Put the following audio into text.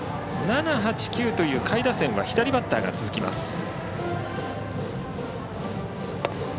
７、８、９という下位打線は左バッターが続きます。